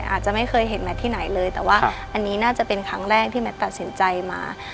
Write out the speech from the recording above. อาจจะไม่เคยเห็นแมทที่ไหนเลยแต่ว่าอันนี้น่าจะเป็นครั้งแรกที่แมทตัดสินใจมา